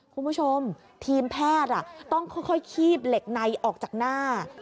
คุณผู้ชมทีมแพทย์ต้องค่อยคีบเหล็กในออกจากหน้า